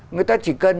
người ta chỉ cần